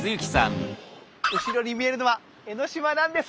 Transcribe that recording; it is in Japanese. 後ろに見えるのは江の島なんです！